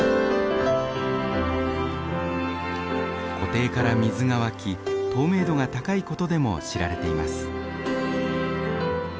湖底から水が湧き透明度が高いことでも知られています。